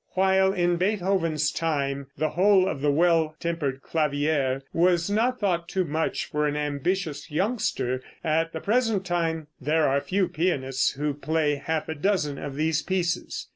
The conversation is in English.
While, in Beethoven's time, the whole of the "Well Tempered Clavier" was not thought too much for an ambitious youngster, at the present time there are few pianists who play half a dozen of these pieces.